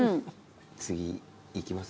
次いきます？